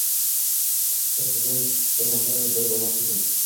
Ustoz, sizdan bir narsani bilib olmoqchi edim